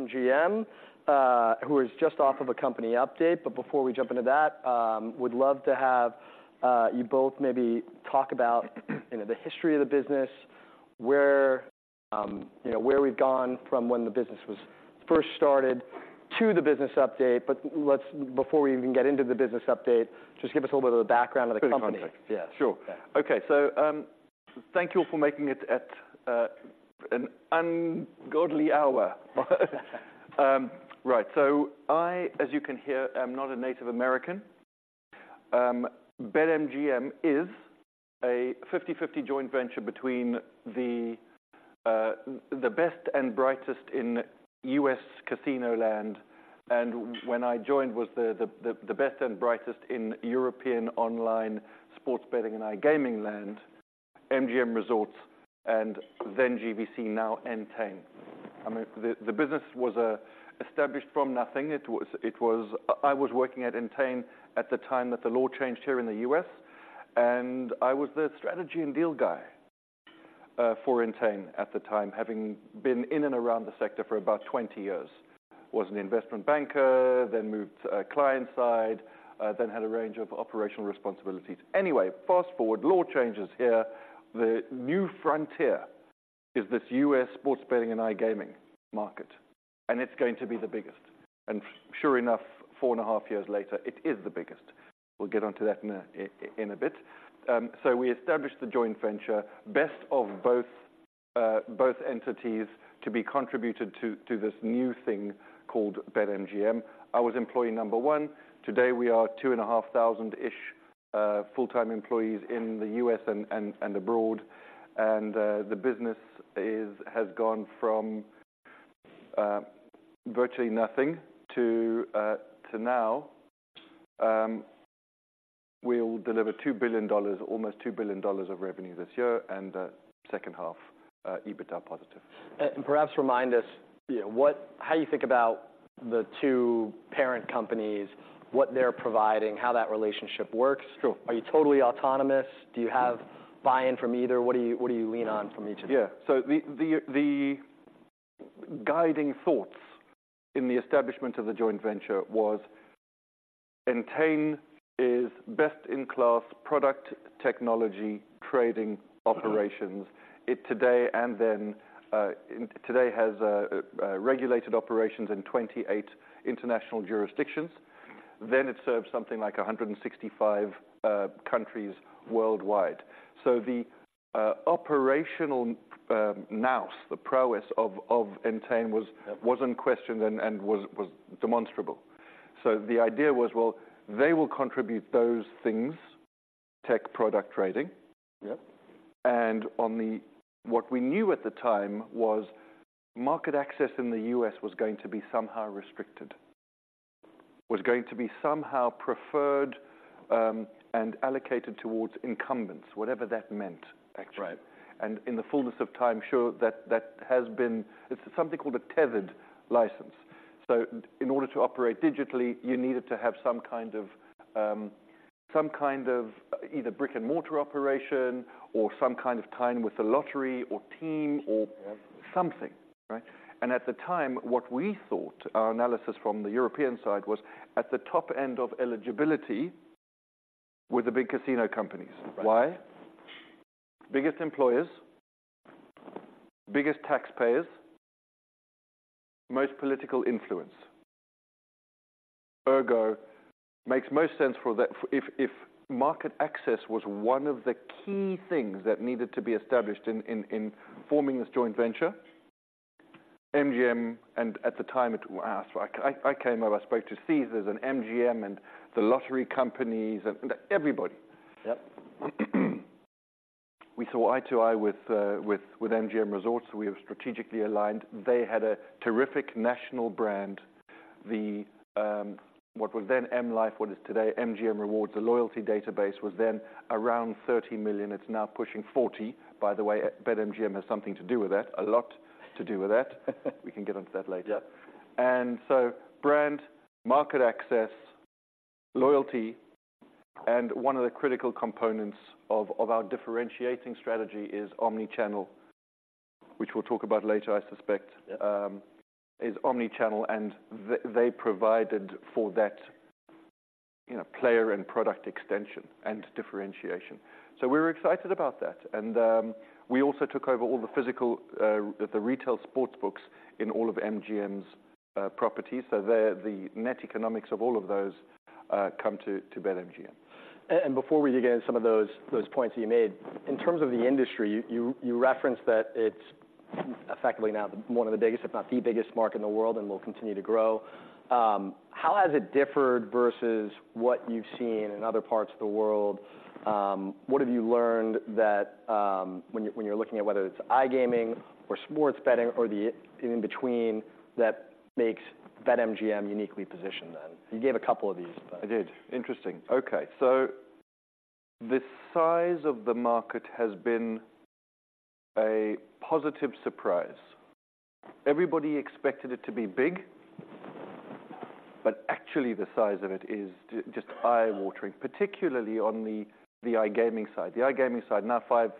MGM, who is just off of a company update. But before we jump into that, would love to have you both maybe talk about, you know, the history of the business, where, you know, where we've gone from when the business was first started to the business update. But let's, before we even get into the business update, just give us a little bit of the background of the company. Bit of context. Yeah. Sure. Yeah. Okay, so, thank you all for making it at an ungodly hour. Right. So I, as you can hear, am not a Native American. BetMGM is a 50/50 joint venture between the best and brightest in U.S. casino land, and when I joined, was the best and brightest in European online sports betting and iGaming land, MGM Resorts, and then GVC, now Entain. I mean, the business was established from nothing. It was. I was working at Entain at the time that the law changed here in the U.S., and I was the strategy and deal guy for Entain at the time, having been in and around the sector for about 20 years. Was an investment banker, then moved to client side, then had a range of operational responsibilities. Anyway, fast-forward, law changes here. The new frontier is this U.S. sports betting and iGaming market, and it's going to be the biggest. And sure enough, 4.5 years later, it is the biggest. We'll get onto that in a bit. So we established the joint venture, best of both entities to be contributed to this new thing called BetMGM. I was employee number 1. Today, we are 2,500-ish full-time employees in the U.S. and abroad. And the business has gone from virtually nothing to now, we'll deliver $2 billion, almost $2 billion of revenue this year, and second half EBITDA positive. And perhaps remind us, you know, what... how you think about the two parent companies, what they're providing, how that relationship works. Sure. Are you totally autonomous? Do you have buy-in from either? What do you, what do you lean on from each of you? Yeah. So the guiding thoughts in the establishment of the joint venture was, Entain is best-in-class product, technology, trading operations. Mm-hmm. Entain today, and then Entain has regulated operations in 28 international jurisdictions. Then it serves something like 165 countries worldwide. So the operational nous, the prowess of Entain was- Yeah.... wasn't questioned and was demonstrable. So the idea was, well, they will contribute those things, tech, product, trading. Yep. What we knew at the time was market access in the U.S. was going to be somehow restricted, was going to be somehow preferred, and allocated towards incumbents, whatever that meant, actually. Right. And in the fullness of time, sure, that, that has been... It's something called a tethered license. So in order to operate digitally, you needed to have some kind of, some kind of either brick-and-mortar operation or some kind of tie-in with the lottery or team or- Yeah. At the time, what we thought, our analysis from the European side was, at the top end of eligibility were the big casino companies. Right. Why? Biggest employers, biggest taxpayers, most political influence. Ergo, makes most sense for that, for if market access was one of the key things that needed to be established in forming this joint venture, MGM, and at the time, it was asked, like I came over, I spoke to Caesars and MGM, and the lottery companies, and everybody. Yep. We saw eye to eye with MGM Resorts. We were strategically aligned. They had a terrific national brand. The what was then M life, what is today MGM Rewards, the loyalty database was then around 30 million. It's now pushing 40. By the way, BetMGM has something to do with that. A lot to do with that. We can get onto that later. Yep. And so brand, market access, loyalty, and one of the critical components of our differentiating strategy is omni-channel, which we'll talk about later, I suspect- Yep.... is omni-channel, and they provided for that, you know, player and product extension and differentiation. So we're excited about that. And, we also took over all the physical, the retail sports books in all of MGM's properties. So the net economics of all of those come to BetMGM. Before we dig into some of those points you made, in terms of the industry, you referenced that it's effectively now one of the biggest, if not the biggest market in the world and will continue to grow. How has it differed versus what you've seen in other parts of the world? What have you learned that, when you're looking at whether it's iGaming or sports betting or the in between, that makes BetMGM uniquely positioned then? You gave a couple of these, but- I did. Interesting. Okay, so the size of the market has been a positive surprise. Everybody expected it to be big, but actually the size of it is just eye-watering, particularly on the iGaming side. The iGaming side, now five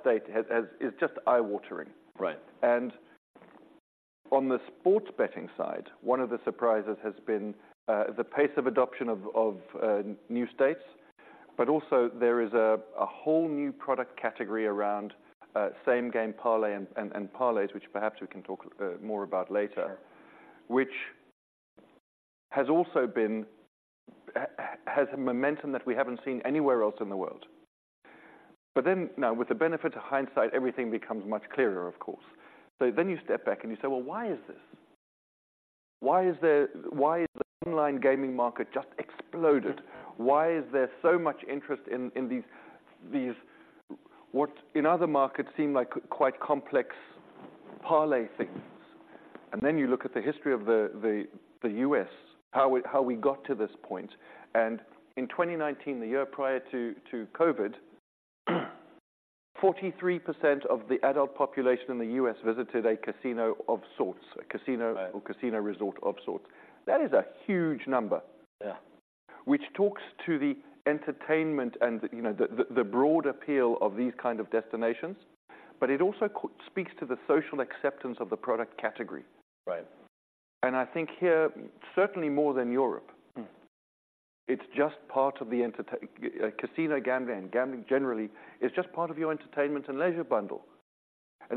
states has is just eye-watering. Right. On the sports betting side, one of the surprises has been the pace of adoption of new states. But also there is a whole new product category around same-game parlay and parlays, which perhaps we can talk more about later. Sure.... which has also been has a momentum that we haven't seen anywhere else in the world. But then, now with the benefit of hindsight, everything becomes much clearer, of course. So then you step back, and you say, "Well, why is this? Why is the online gaming market just exploded? Why is there so much interest in these what in other markets seem like quite complex parlay things?" And then you look at the history of the U.S., how we got to this point. And in 2019, the year prior to COVID, 43% of the adult population in the U.S. visited a casino of sorts, a casino- Right.... or casino resort of sorts. That is a huge number- Yeah.... which talks to the entertainment and, you know, the broad appeal of these kind of destinations, but it also speaks to the social acceptance of the product category. Right. And I think here, certainly more than Europe- Mm.... it's just part of the entertainment, casino gambling and gambling generally, is just part of your entertainment and leisure bundle.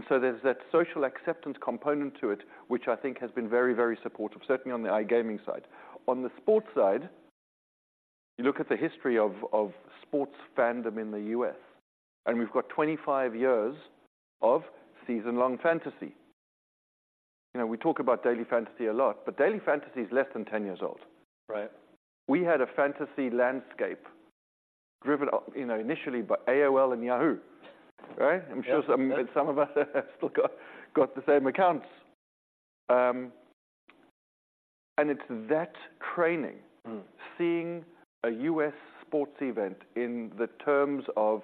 So there's that social acceptance component to it, which I think has been very, very supportive, certainly on the iGaming side. On the sports side, you look at the history of sports fandom in the U.S., and we've got 25 years of season-long fantasy. You know, we talk about daily fantasy a lot, but daily fantasy is less than 10 years old. Right. We had a fantasy landscape driven, you know, initially by AOL and Yahoo! Right? Yeah. I'm sure some of us still got the same accounts. And it's that training- Mm.... seeing a U.S. sports event in the terms of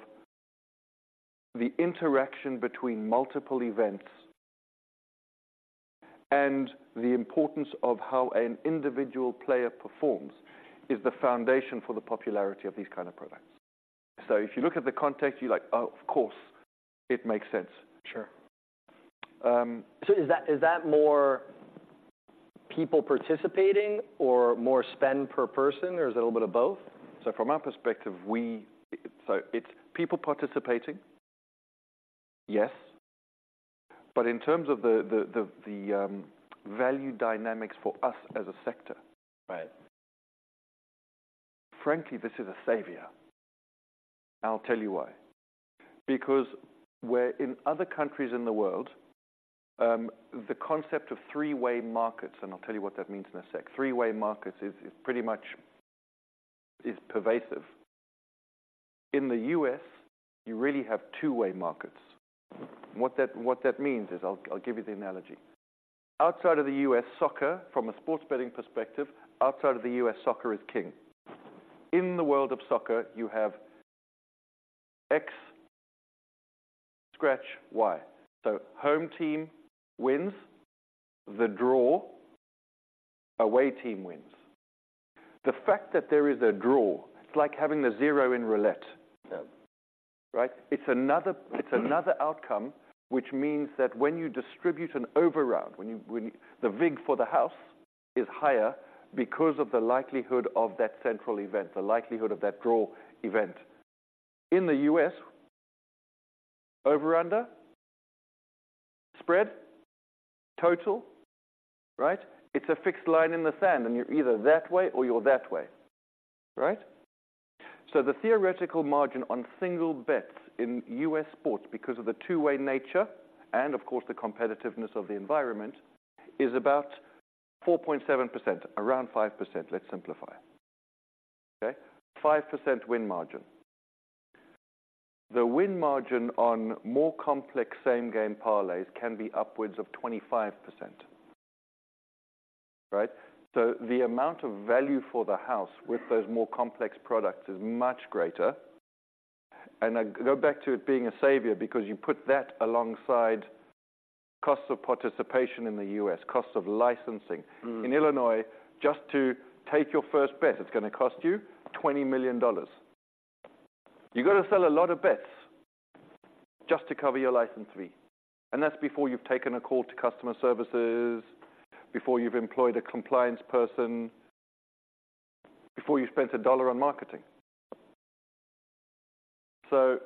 the interaction between multiple events and the importance of how an individual player performs, is the foundation for the popularity of these kind of products. So if you look at the context, you're like, "Oh, of course, it makes sense. Sure. Um- Is that, is that more people participating or more spend per person, or is it a little bit of both? So from our perspective, it's people participating, yes. But in terms of the value dynamics for us as a sector- Right... frankly, this is a savior, and I'll tell you why. Because where in other countries in the world, the concept of three-way markets, and I'll tell you what that means in a sec. Three-way markets is pretty much pervasive. In the US, you really have two-way markets. What that means is, I'll give you the analogy. Outside of the US, soccer, from a sports betting perspective, outside of the US, soccer is king. In the world of soccer, you have X, scratch Y. So home team wins, the draw, away team wins. The fact that there is a draw, it's like having a zero in roulette. Yeah. Right? It's another, it's another outcome which means that when you distribute an overround, when the vig for the house is higher because of the likelihood of that central event, the likelihood of that draw event. In the U.S., over/under, spread, total, right? It's a fixed line in the sand, and you're either that way or you're that way, right? So the theoretical margin on single bets in U.S. sports, because of the two-way nature and of course the competitiveness of the environment, is about 4.7%, around 5%. Let's simplify. Okay? 5% win margin. The win margin on more complex same-game parlays can be upwards of 25%, right? So the amount of value for the house with those more complex products is much greater. I go back to it being a savior because you put that alongside costs of participation in the U.S., costs of licensing. Mm. In Illinois, just to take your first bet, it's gonna cost you $20 million. You've got to sell a lot of bets just to cover your license fee, and that's before you've taken a call to customer services, before you've employed a compliance person, before you've spent a dollar on marketing. So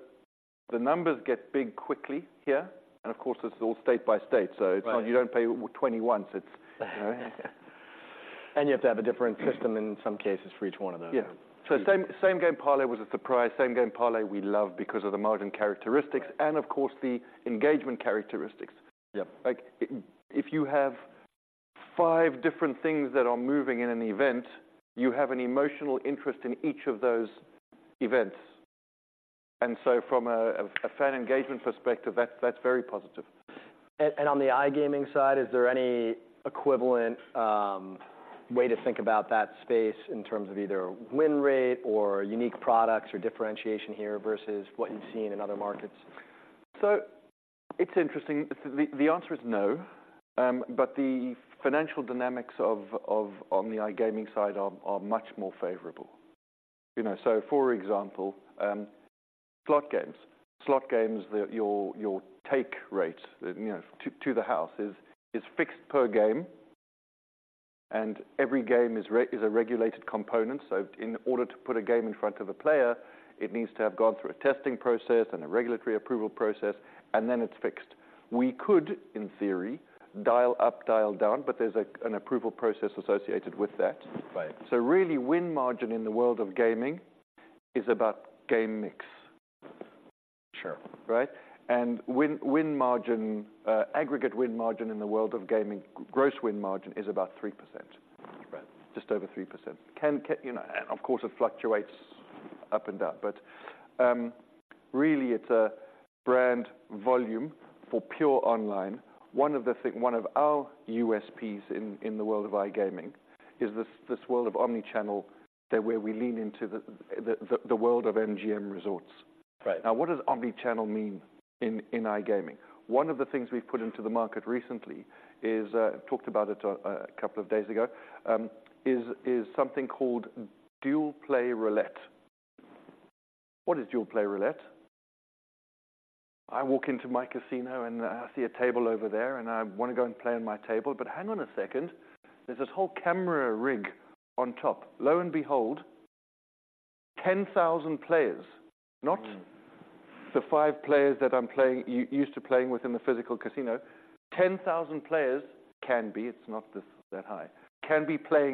the numbers get big quickly here, and of course, it's all state by state, so- Right... you don't pay $20 once. It's... You have to have a different system in some cases for each one of them. Yeah. So same-game parlay was a surprise. Same-game parlay we love because of the margin characteristics- Right... and of course, the engagement characteristics. Yep. Like, if you have five different things that are moving in an event, you have an emotional interest in each of those events. And so from a, a fan engagement perspective, that's, that's very positive. And on the iGaming side, is there any equivalent way to think about that space in terms of either win rate or unique products or differentiation here versus what you've seen in other markets?... So it's interesting. The answer is no. But the financial dynamics of on the iGaming side are much more favorable. You know, so for example, slot games. Slot games that your take rate, you know, to the house is fixed per game, and every game is a regulated component. So in order to put a game in front of a player, it needs to have gone through a testing process and a regulatory approval process, and then it's fixed. We could, in theory, dial up, dial down, but there's an approval process associated with that. Right. So really, win margin in the world of gaming is about game mix. Sure. Right? And win, win margin, aggregate win margin in the world of gaming, gross win margin is about 3%. Right. Just over 3%. You know, and of course, it fluctuates up and down, but really it's a brand volume for pure online. One of our USPs in the world of iGaming is this world of omni-channel, where we lean into the world of MGM Resorts. Right. Now, what does Omni-channel mean in iGaming? One of the things we've put into the market recently is talked about it a couple of days ago is something called Dual Play Roulette. What is Dual Play Roulette? I walk into my casino, and I see a table over there, and I want to go and play on my table. But hang on a second, there's this whole camera rig on top. Lo and behold, 10,000 players, not- Mm. the five players that I'm used to playing with in the physical casino. 10,000 players can be playing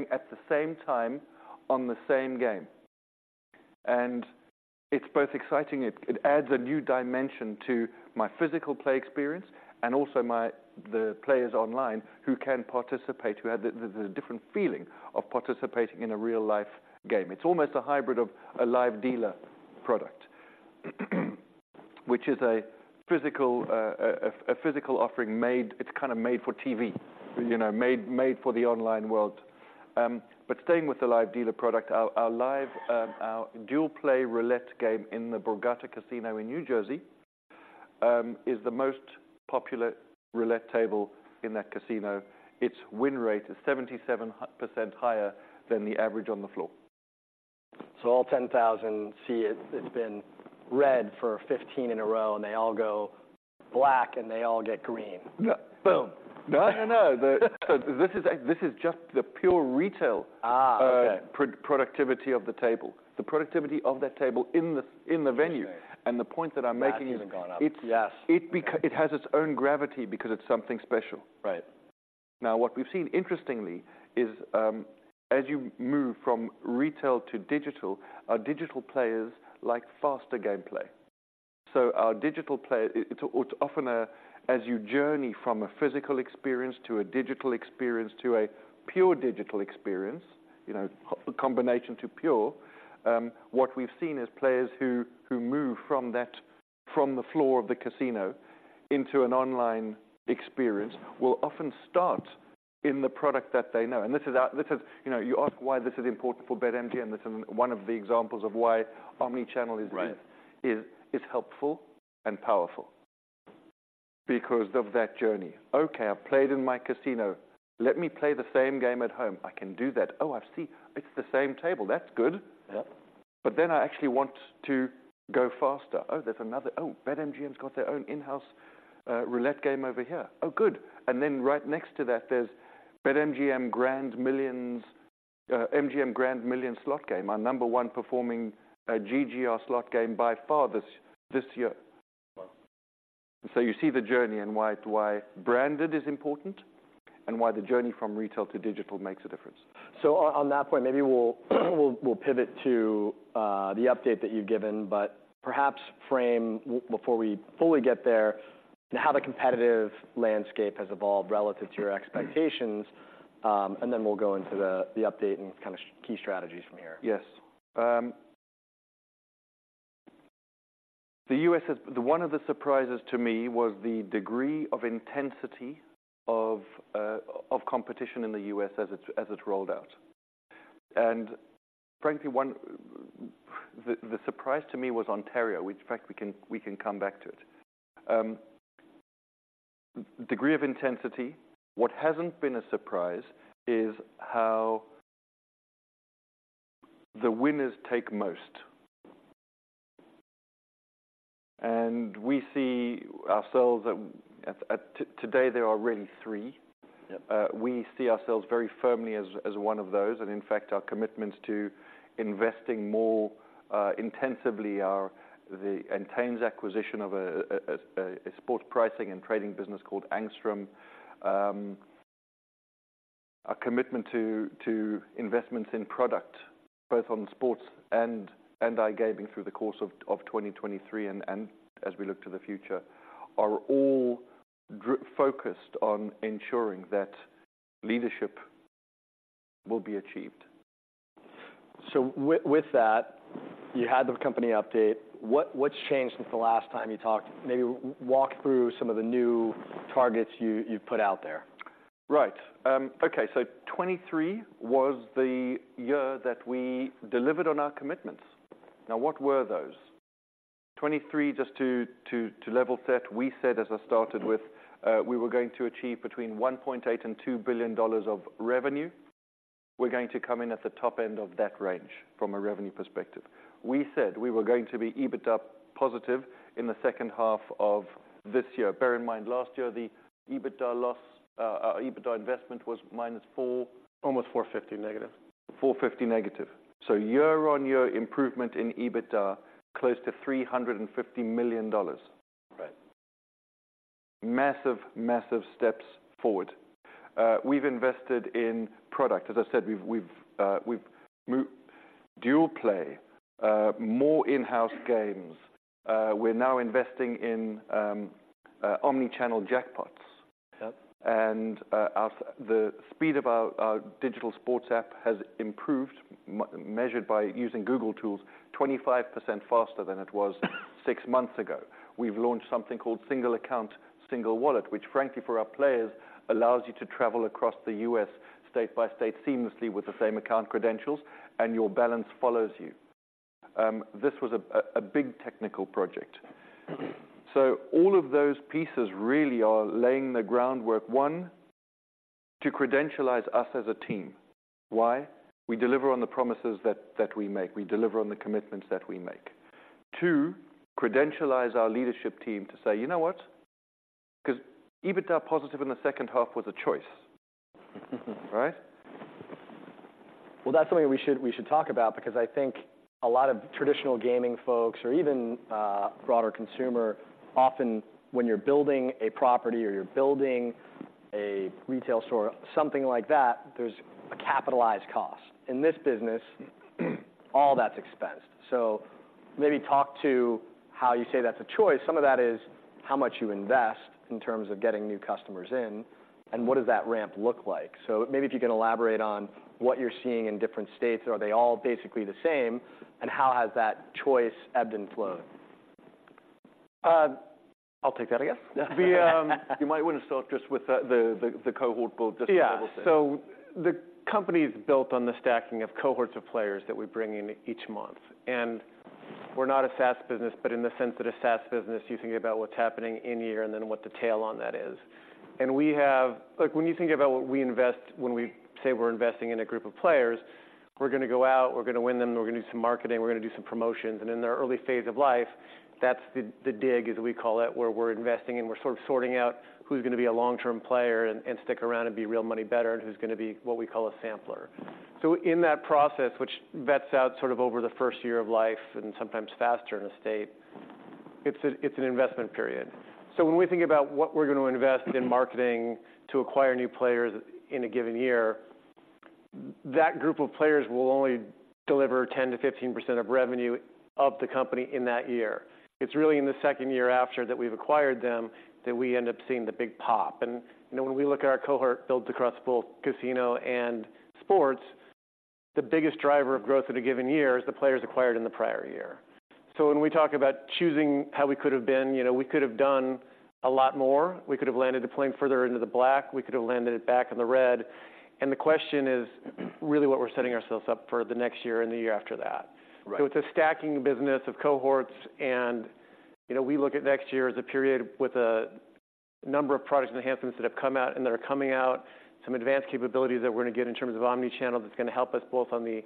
at the same time on the same game, and it's not that high, and it's both exciting. It adds a new dimension to my physical play experience and also the players online who can participate, who have the different feeling of participating in a real-life game. It's almost a hybrid of a live dealer product, which is a physical offering made—it's kind of made for TV, you know, made for the online world. But staying with the live dealer product, our live Dual Play Roulette game in the Borgata casino in New Jersey is the most popular roulette table in that casino. Its win rate is 77% higher than the average on the floor. So all 10,000 see it, it's been red for 15 in a row, and they all go black, and they all get green. No. Boom! No, no, no. This is just the pure retail- Ah, okay. Productivity of the table. The productivity of that table in the venue. Venue. The point that I'm making is- That isn't going up. Yes. It has its own gravity because it's something special. Right. Now, what we've seen interestingly is, as you move from retail to digital, our digital players like faster gameplay. So our digital player, it's often a, as you journey from a physical experience to a digital experience, to a pure digital experience, you know, combination to pure, what we've seen is players who move from that, from the floor of the casino into an online experience, will often start in the product that they know. And this is. You know, you ask why this is important for BetMGM, this is one of the examples of why omni-channel is- Right... is helpful and powerful because of that journey. "Okay, I've played in my casino. Let me play the same game at home. I can do that. Oh, I see. It's the same table. That's good. Yeah. But then I actually want to go faster. Oh, there's another... Oh, BetMGM's got their own in-house roulette game over here. Oh, good. And then right next to that, there's MGM Grand Millions slot game, our number one performing GGR slot game by far this year. Wow. You see the journey and why branded is important and why the journey from retail to digital makes a difference. So on that point, maybe we'll pivot to the update that you've given, but perhaps frame before we fully get there, how the competitive landscape has evolved relative to your expectations, and then we'll go into the update and kind of key strategies from here. Yes. The U.S. has... One of the surprises to me was the degree of intensity of competition in the U.S. as it rolled out. And frankly, one... The surprise to me was Ontario, which in fact we can come back to it. Degree of intensity, what hasn't been a surprise is how the winners take most. And we see ourselves at... Today, there are really three. Yeah. We see ourselves very firmly as one of those, and in fact, our commitments to investing more intensively are the Entain's acquisition of a sports pricing and trading business called Angstrom. A commitment to investments in product, both on sports and iGaming through the course of 2023 and as we look to the future, are all focused on ensuring that leadership will be achieved. So with that, you had the company update. What, what's changed since the last time you talked? Maybe walk through some of the new targets you, you've put out there.... Right. Okay, so 2023 was the year that we delivered on our commitments. Now, what were those? 2023, just to level set, we said, as I started with, we were going to achieve between $1.8 billion and $2 billion of revenue. We're going to come in at the top end of that range from a revenue perspective. We said we were going to be EBITDA positive in the second half of this year. Bear in mind, last year, the EBITDA loss, EBITDA investment was minus four- Almost 450 negative. -450. So year-on-year improvement in EBITDA, close to $350 million. Right. Massive, massive steps forward. We've invested in product. As I said, we've more dual play, more in-house games. We're now investing in omni-channel jackpots. Yep. The speed of our digital sports app has improved, measured by using Google tools, 25% faster than it was six months ago. We've launched something called Single Account, Single Wallet, which frankly, for our players, allows you to travel across the U.S. state by state seamlessly with the same account credentials, and your balance follows you. This was a big technical project. So all of those pieces really are laying the groundwork, one, to credentialize us as a team. Why? We deliver on the promises that we make. We deliver on the commitments that we make. Two, credentialize our leadership team to say, "You know what?" 'Cause EBITDA positive in the second half was a choice, right? Well, that's something we should, we should talk about, because I think a lot of traditional gaming folks or even broader consumer often, when you're building a property or you're building a retail store, something like that, there's a capitalized cost. In this business, all that's expensed. So maybe talk to how you say that's a choice. Some of that is how much you invest in terms of getting new customers in, and what does that ramp look like? So maybe if you can elaborate on what you're seeing in different states, are they all basically the same, and how has that choice ebbed and flowed? I'll take that, I guess. You might want to start just with the cohort build, just to level set. Yeah. So the company is built on the stacking of cohorts of players that we bring in each month. And we're not a SaaS business, but in the sense that a SaaS business, you think about what's happening in year and then what the tail on that is. And we have... Like, when you think about what we invest when we say we're investing in a group of players, we're gonna go out, we're gonna win them, we're gonna do some marketing, we're gonna do some promotions. And in their early phase of life, that's the dig, as we call it, where we're investing and we're sort of sorting out who's gonna be a long-term player and stick around and be a real money bettor, and who's gonna be, what we call a sampler. So in that process, which vets out sort of over the first year of life and sometimes faster in a state, it's an investment period. So when we think about what we're gonna invest in marketing to acquire new players in a given year, that group of players will only deliver 10%-15% of revenue of the company in that year. It's really in the second year after that we've acquired them, that we end up seeing the big pop. And, you know, when we look at our cohort builds across both casino and sports, the biggest driver of growth in a given year is the players acquired in the prior year. So when we talk about choosing how we could have been, you know, we could have done a lot more. We could have landed the plane further into the black, we could have landed it back in the red. The question is, really what we're setting ourselves up for the next year and the year after that. Right. So it's a stacking business of cohorts, and, you know, we look at next year as a period with a number of products and enhancements that have come out and that are coming out, some advanced capabilities that we're gonna get in terms of omni-channel, that's gonna help us both on the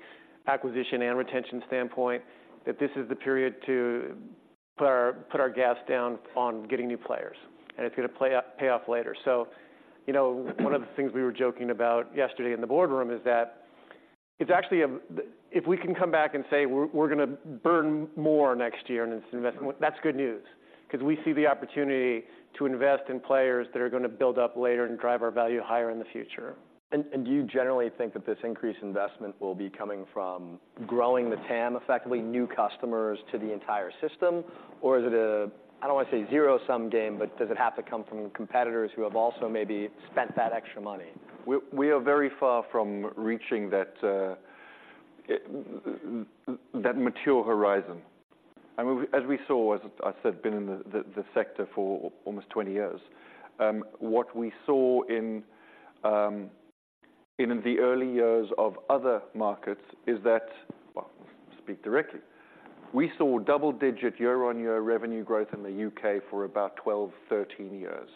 acquisition and retention standpoint, that this is the period to put our, put our gas down on getting new players, and it's gonna play off- pay off later. So, you know, one of the things we were joking about yesterday in the boardroom is that it's actually a... If we can come back and say, "We're, we're gonna burn more next year in this investment," that's good news. 'Cause we see the opportunity to invest in players that are gonna build up later and drive our value higher in the future. And do you generally think that this increased investment will be coming from growing the TAM, effectively, new customers to the entire system? Or is it a, I don't want to say zero-sum game, but does it have to come from competitors who have also maybe spent that extra money? We are very far from reaching that mature horizon. I mean, as we saw, as I said, been in the sector for almost 20 years. What we saw in the early years of other markets is that we saw double-digit year-on-year revenue growth in the UK for about 12-13 years.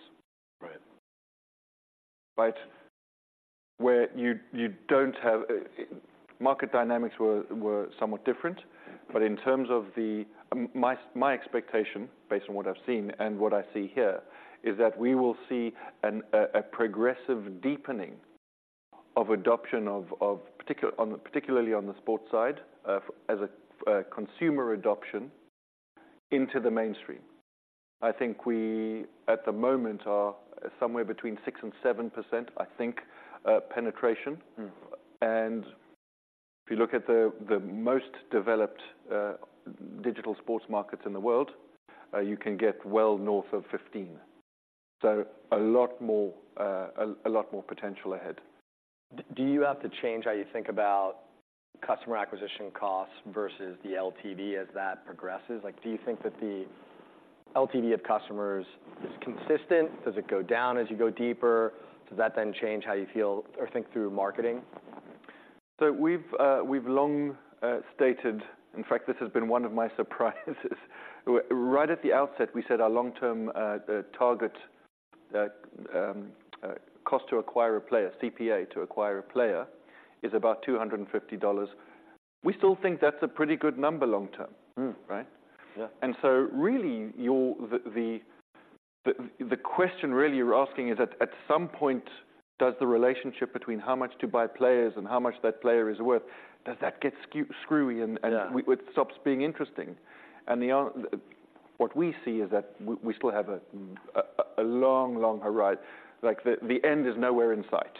Right. But where you don't have market dynamics were somewhat different. But in terms of the my expectation, based on what I've seen and what I see here, is that we will see a progressive deepening of adoption of particular- on the, particularly on the sports side, as a consumer adoption into the mainstream. I think we, at the moment, are somewhere between 6% and 7%, I think, penetration. Mm-hmm. If you look at the most developed digital sports markets in the world, you can get well north of 15. A lot more potential ahead. Do you have to change how you think about customer acquisition costs versus the LTV as that progresses? Like, do you think that LTV of customers is consistent? Does it go down as you go deeper? Does that then change how you feel or think through marketing? So we've long stated—in fact, this has been one of my surprises. Right at the outset, we said our long-term target cost to acquire a player, CPA, to acquire a player, is about $250. We still think that's a pretty good number long term. Mm. Right? Yeah. So really, the question really you're asking is that, at some point, does the relationship between how much to buy players and how much that player is worth, does that get screwy and- Yeah. and it stops being interesting? And what we see is that we still have a long, long horizon. Like, the end is nowhere in sight.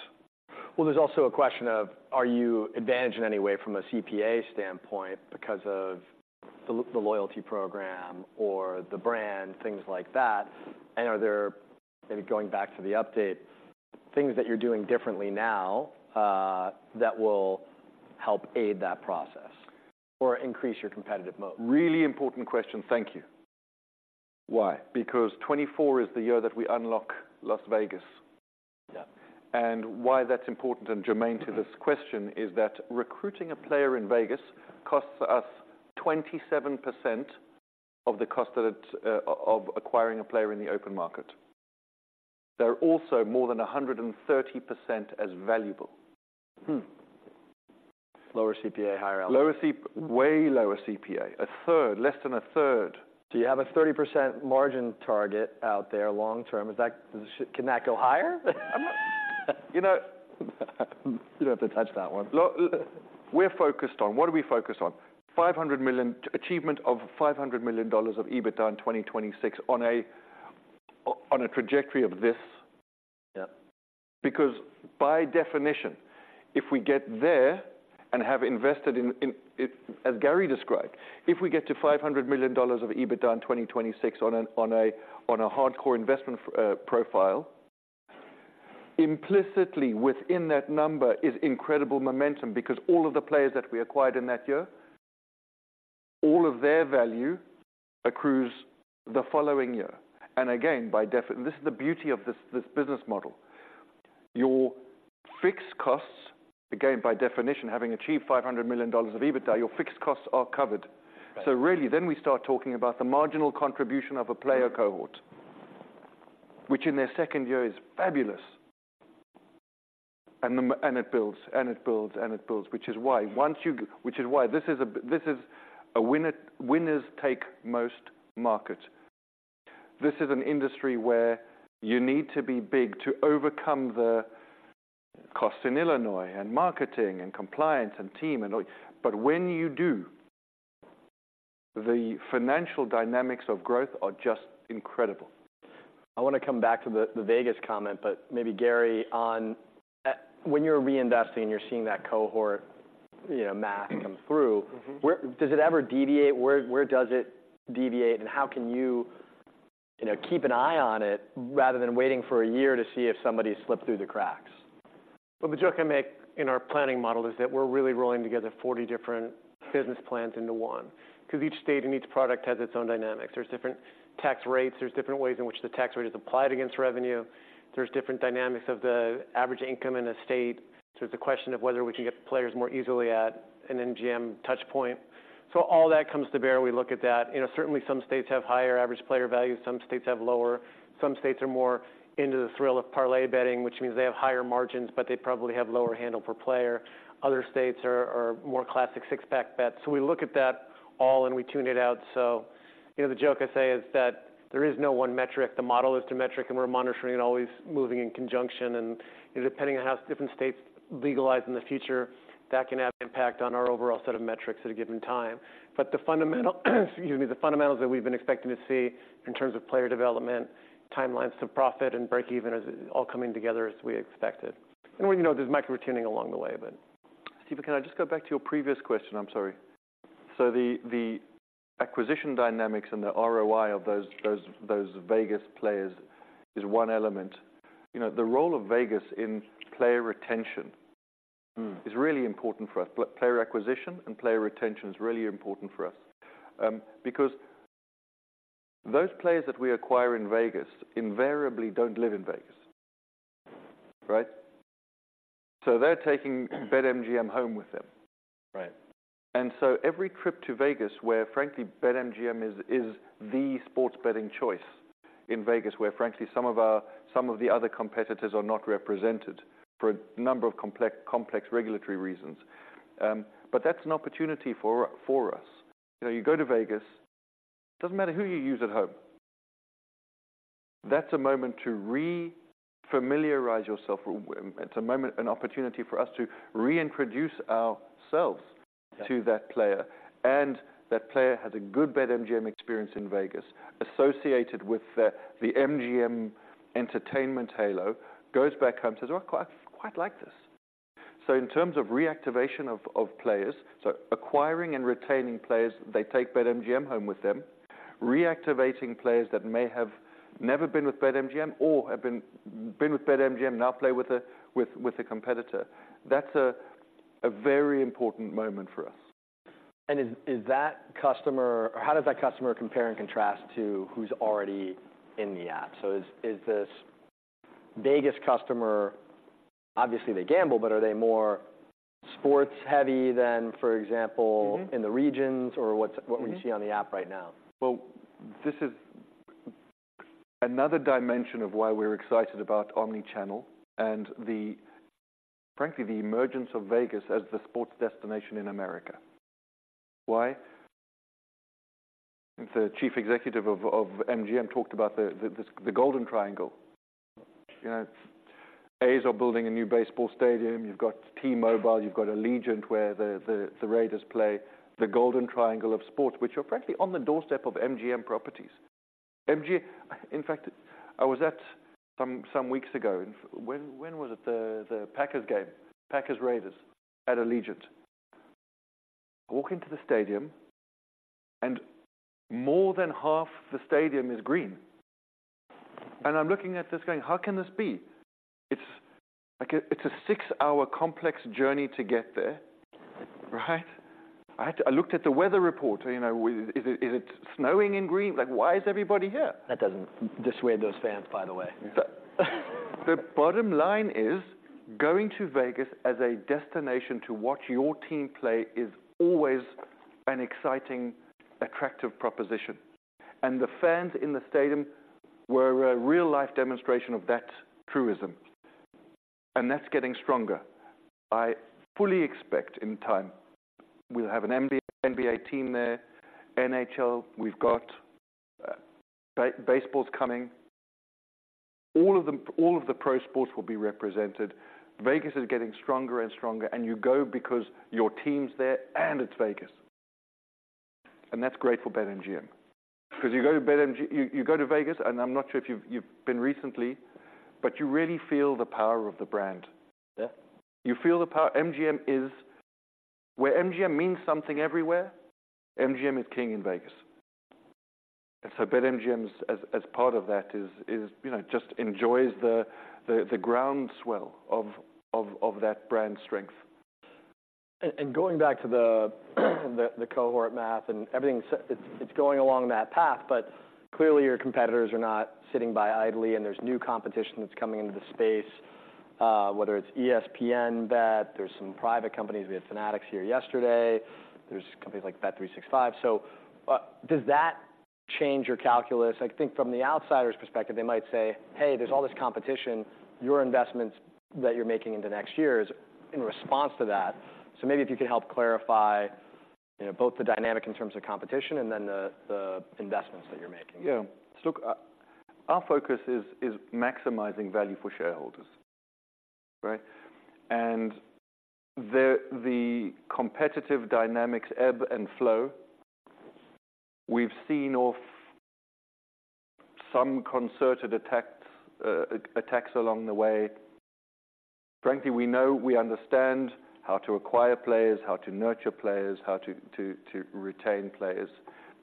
Well, there's also a question of, are you advantaged in any way from a CPA standpoint because of the, the loyalty program or the brand, things like that? And are there, maybe going back to the update, things that you're doing differently now, that will help aid that process or increase your competitive mode? Really important question. Thank you. Why? Because 2024 is the year that we unlock Las Vegas. Yeah. Why that's important and germane to this question is that recruiting a player in Vegas costs us 27% of the cost of it... of acquiring a player in the open market. They're also more than 130% as valuable. Hmm. Lower CPA, higher LTV. Lower CPA, way lower CPA, a third, less than a third. So you have a 30% margin target out there long term. Is that, does it-- can that go higher? I'm not... you know, You don't have to touch that one. Look, we're focused on... What are we focused on? Achievement of $500 million of EBITDA in 2026 on a trajectory of this. Yeah. Because by definition, if we get there and have invested in—as Gary described, if we get to $500 million of EBITDA in 2026 on a hardcore investment profile, implicitly within that number is incredible momentum, because all of the players that we acquired in that year, all of their value accrues the following year. And again, this is the beauty of this business model. Your fixed costs, again, by definition, having achieved $500 million of EBITDA, your fixed costs are covered. Right. So really, then we start talking about the marginal contribution of a player cohort, which in their second year is fabulous. And it builds, and it builds, and it builds, which is why this is a winner, winners take most market. This is an industry where you need to be big to overcome the costs in Illinois, and marketing, and compliance, and team, and all. But when you do, the financial dynamics of growth are just incredible. I want to come back to the Vegas comment, but maybe, Gary, on... when you're reinvesting, you're seeing that cohort, you know, math come through. Mm-hmm. Where does it ever deviate? Where, where does it deviate, and how can you, you know, keep an eye on it, rather than waiting for a year to see if somebody slipped through the cracks? Well, the joke I make in our planning model is that we're really rolling together 40 different business plans into one, because each state and each product has its own dynamics. There's different tax rates. There's different ways in which the tax rate is applied against revenue. There's different dynamics of the average income in a state. There's a question of whether we can get players more easily at an MGM touch point. So all that comes to bear, we look at that. You know, certainly, some states have higher average player values, some states have lower. Some states are more into the thrill of parlay betting, which means they have higher margins, but they probably have lower handle per player. Other states are more classic six-pack bets. So we look at that all and we tune it out. So, you know, the joke I say is that there is no one metric. The model is the metric, and we're monitoring it, always moving in conjunction. Depending on how different states legalize in the future, that can have impact on our overall set of metrics at a given time. But the fundamental, excuse me, the fundamentals that we've been expecting to see in terms of player development, timelines to profit and break even, is all coming together as we expected. And, you know, there's micro tuning along the way, but- Stephen, can I just go back to your previous question? I'm sorry. So the acquisition dynamics and the ROI of those Vegas players is one element. You know, the role of Vegas in player retention- Mm. is really important for us. Player acquisition and player retention is really important for us. Because those players that we acquire in Vegas invariably don't live in Vegas, right? So they're taking BetMGM home with them. Right. And so every trip to Vegas, where frankly, BetMGM is the sports betting choice in Vegas, where frankly, some of the other competitors are not represented for a number of complex regulatory reasons. But that's an opportunity for us. You know, you go to Vegas, doesn't matter who you use at home. That's a moment to re-familiarize yourself... It's a moment, an opportunity for us to reintroduce ourselves- Yeah. to that player. And that player has a good BetMGM experience in Vegas associated with the MGM entertainment halo, goes back home, says, "Well, I quite like this." So in terms of reactivation of players, so acquiring and retaining players, they take BetMGM home with them. Reactivating players that may have never been with BetMGM or have been with BetMGM, now play with a competitor. That's a very important moment for us. Is that customer, or how does that customer compare and contrast to who's already in the app? So is this Vegas customer, obviously, they gamble, but are they more sports heavy than, for example- Mm-hmm.... in the regions, or what's- Mm-hmm. What we see on the app right now? Well, this is another dimension of why we're excited about omni-channel and the frankly, the emergence of Vegas as the sports destination in America. Why? The Chief Executive of MGM talked about the Golden Triangle. You know, A's are building a new baseball stadium. You've got T-Mobile, you've got Allegiant, where the Raiders play. The Golden Triangle of sports, which are frankly, on the doorstep of MGM properties. In fact, I was at some weeks ago, when was it? The Packers game. Packers, Raiders at Allegiant. Walk into the stadium, and more than half the stadium is green. And I'm looking at this going: How can this be? It's like a it's a six-hour complex journey to get there, right? I looked at the weather report, you know, is it snowing in green? Like, why is everybody here? That doesn't dissuade those fans, by the way. The bottom line is, going to Vegas as a destination to watch your team play is always an exciting, attractive proposition. And the fans in the stadium were a real-life demonstration of that truism, and that's getting stronger. I fully expect, in time, we'll have an NBA, NBA team there, NHL, we've got, baseball's coming. All of the, all of the pro sports will be represented. Vegas is getting stronger and stronger, and you go because your team's there, and it's Vegas. And that's great for BetMGM. Because you go to BetMGM. You, you go to Vegas, and I'm not sure if you've, you've been recently, but you really feel the power of the brand. Yeah. You feel the power. MGM is where MGM means something everywhere, MGM is king in Vegas. And so BetMGM's as part of that is, you know, just enjoys the groundswell of that brand strength. Going back to the cohort math and everything, so it's going along that path. But clearly, your competitors are not sitting by idly, and there's new competition that's coming into the space, whether it's ESPN Bet, there's some private companies. We had Fanatics here yesterday. There's companies like Bet365. So, does that change your calculus? I think from the outsider's perspective, they might say: Hey, there's all this competition. Your investments that you're making in the next years in response to that. So maybe if you could help clarify, you know, both the dynamic in terms of competition and then the investments that you're making. Yeah. So, our focus is maximizing value for shareholders, right? And the competitive dynamics ebb and flow. We've seen off some concerted attacks along the way. Frankly, we know, we understand how to acquire players, how to nurture players, how to retain players,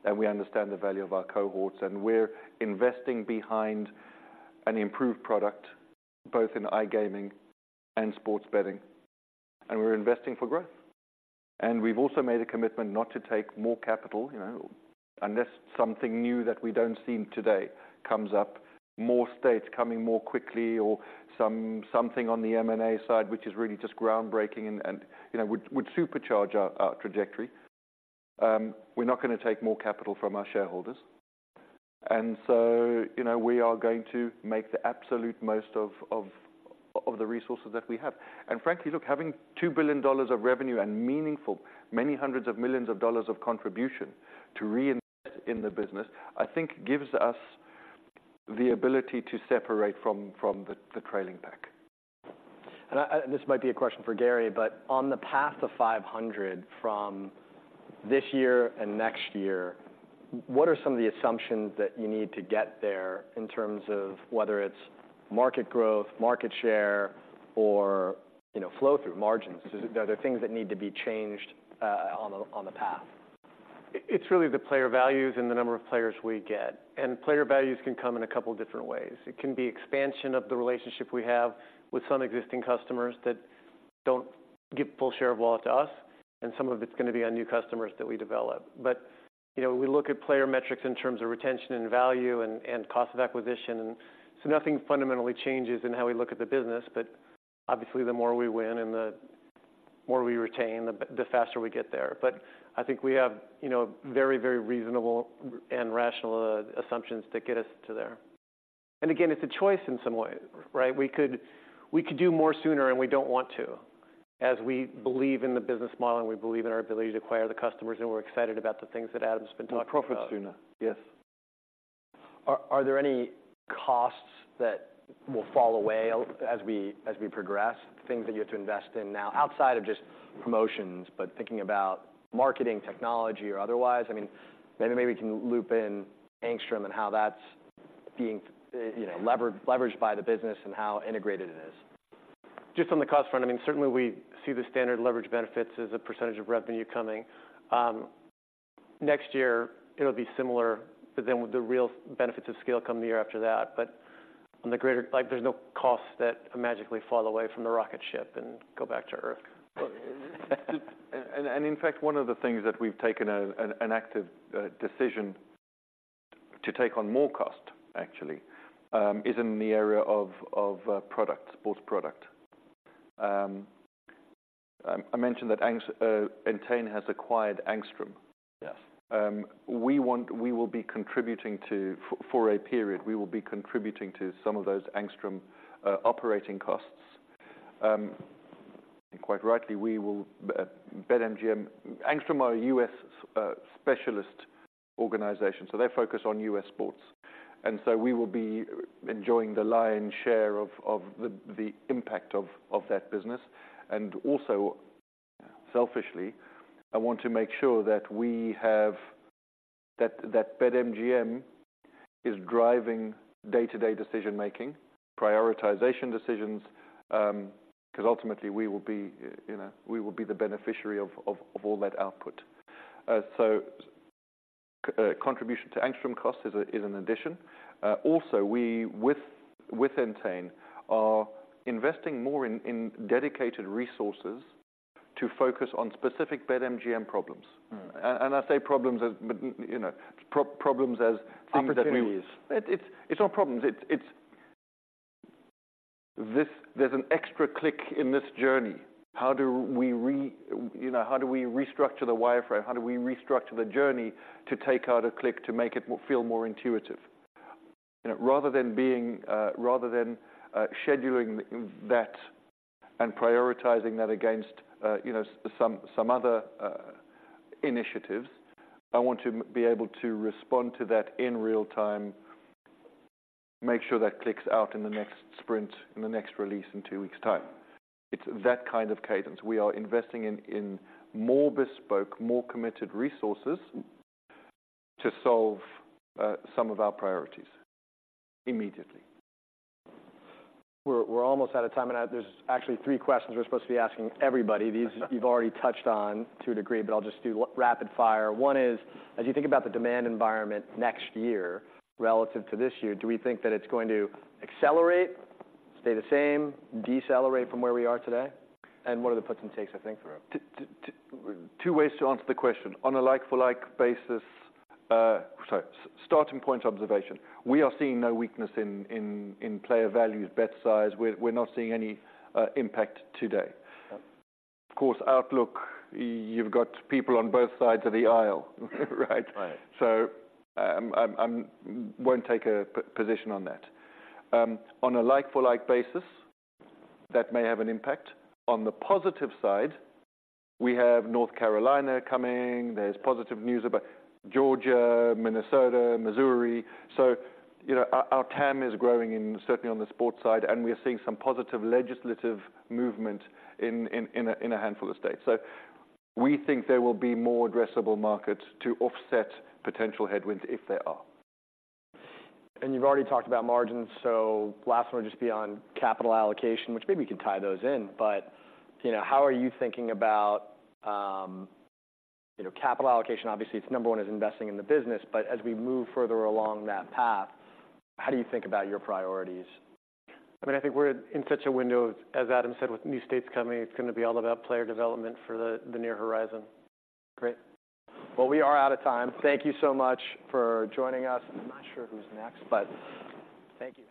and we understand the value of our cohorts. And we're investing behind an improved product, both in iGaming and sports betting, and we're investing for growth. And we've also made a commitment not to take more capital, you know, unless something new that we don't see today comes up, more states coming more quickly or something on the M&A side, which is really just groundbreaking and, you know, would supercharge our trajectory. We're not going to take more capital from our shareholders. So, you know, we are going to make the absolute most of the resources that we have. And frankly, look, having $2 billion of revenue and meaningful, many hundreds of millions of dollars of contribution to reinvest in the business, I think gives us the ability to separate from the trailing pack. This might be a question for Gary, but on the path to 500 from this year and next year, what are some of the assumptions that you need to get there in terms of whether it's market growth, market share, or, you know, flow-through margins? Are there things that need to be changed on the path? It's really the player values and the number of players we get. Player values can come in a couple different ways. It can be expansion of the relationship we have with some existing customers that don't give full share of wallet to us, and some of it's gonna be on new customers that we develop. But, you know, we look at player metrics in terms of retention and value and, and cost of acquisition. So nothing fundamentally changes in how we look at the business, but obviously, the more we win and the more we retain, the faster we get there. But I think we have, you know, very, very reasonable and rational assumptions to get us to there. And again, it's a choice in some way, right? We could, we could do more sooner, and we don't want to, as we believe in the business model, and we believe in our ability to acquire the customers, and we're excited about the things that Adam's been talking about. Profit sooner. Yes. Are there any costs that will fall away as we progress, things that you have to invest in now, outside of just promotions, but thinking about marketing, technology or otherwise? I mean, maybe we can loop in Angstrom and how that's being, you know, leveraged by the business and how integrated it is. Just on the cost front, I mean, certainly we see the standard leverage benefits as a percentage of revenue coming.... next year, it'll be similar, but then the real benefits of scale come the year after that. But on the greater, like, there's no costs that magically fall away from the rocket ship and go back to Earth. In fact, one of the things that we've taken an active decision to take on more cost, actually, is in the area of product, sports product. I mentioned that Entain has acquired Angstrom. Yes. We will be contributing to, for a period, we will be contributing to some of those Angstrom operating costs. And quite rightly, we will BetMGM-Angstrom are a U.S. specialist organization, so they focus on U.S. sports. And so we will be enjoying the lion's share of the impact of that business. And also, selfishly, I want to make sure that we have that BetMGM is driving day-to-day decision-making, prioritization decisions, because ultimately, we will be, you know, we will be the beneficiary of all that output. So, contribution to Angstrom cost is an addition. Also, we, with Entain, are investing more in dedicated resources to focus on specific BetMGM problems. Mm. I say problems as, but you know, problems as things that we- Opportunities. It's not problems, it's... This, there's an extra click in this journey. How do we, you know, restructure the wireframe? How do we restructure the journey to take out a click to make it feel more intuitive? You know, rather than being, rather than scheduling that and prioritizing that against, you know, some other initiatives, I want to be able to respond to that in real time, make sure that clicks out in the next sprint, in the next release, in two weeks' time. It's that kind of cadence. We are investing in more bespoke, more committed resources to solve some of our priorities immediately. We're almost out of time, and there's actually three questions we're supposed to be asking everybody. These, you've already touched on to a degree, but I'll just do rapid fire. One is: as you think about the demand environment next year relative to this year, do we think that it's going to accelerate, stay the same, decelerate from where we are today? And what are the puts and takes to think through? Two ways to answer the question. On a like-for-like basis, so starting point observation, we are seeing no weakness in player values, bet size. We're not seeing any impact today. Yep. Of course, outlook, you've got people on both sides of the aisle, right? Right. So, I won't take a position on that. On a like-for-like basis, that may have an impact. On the positive side, we have North Carolina coming. There's positive news about Georgia, Minnesota, Missouri. So, you know, our TAM is growing, certainly on the sports side, and we are seeing some positive legislative movement in a handful of states. So we think there will be more addressable markets to offset potential headwinds if there are. You've already talked about margins, so last one will just be on capital allocation, which maybe we could tie those in. But, you know, how are you thinking about, you know, capital allocation? Obviously, it's number one, is investing in the business, but as we move further along that path, how do you think about your priorities? I mean, I think we're in such a window, as Adam said, with new states coming. It's gonna be all about player development for the near horizon. Great. Well, we are out of time. Thank you so much for joining us. I'm not sure who's next, but thank you.